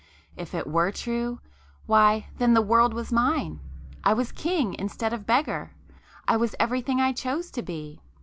If it were true—why then the world was mine!—I was king instead of beggar;—I was everything I chose to be!